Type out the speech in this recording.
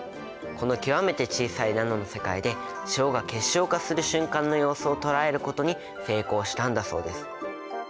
この極めて小さいナノの世界で塩が結晶化する瞬間の様子を捉えることに成功したんだそうです。